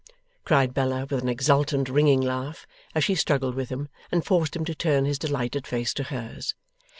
cried Bella, with an exultant ringing laugh as she struggled with him and forced him to turn his delighted face to hers.